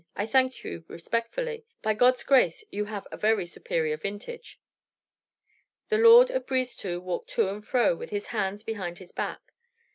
I thank you respectfully. By God's grace, you have a very superior vintage." The lord of Brisetout walked to and fro with his hands behind his back.